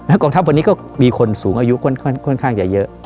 กองทัพวันนี้ก็มีคนสูงอายุค่อนข้างจะเยอะ